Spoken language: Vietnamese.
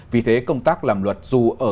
vì thế công tác làm luật dù ở